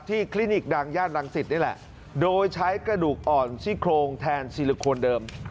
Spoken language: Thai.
คลินิกดังย่านรังสิตนี่แหละโดยใช้กระดูกอ่อนซี่โครงแทนซีลิโคนเดิม